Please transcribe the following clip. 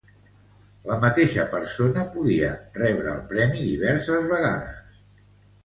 La mateixa persona podia rebre el premi diverses vegades.